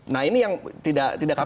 nah ini yang tidak ketemu disini